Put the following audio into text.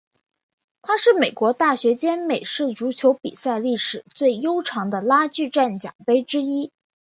它是美国大学间美式足球比赛历史最悠久的拉锯战奖杯之一。